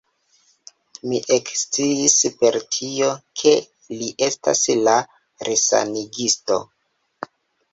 Mi eksciis per tio, ke li estas la resanigisto.